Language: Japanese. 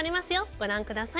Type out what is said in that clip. ご覧ください。